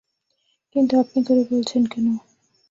কিন্তু আপনি করে বলছেন কেন?